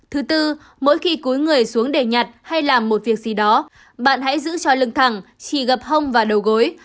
thứ tư mỗi khi cúi người xuống đề nhặt hay làm một việc gì đó bạn hãy giữ cho lưng thẳng chỉ gặp hông và đầu gối